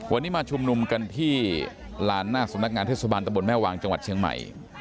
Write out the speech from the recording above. วันนี้มาชุมนุมกันที่ลานหน้าสำนักงานเทศบาลตะบนแม่วางจังหวัดเชียงใหม่